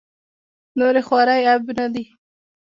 نورې خوارۍ عیب نه دي.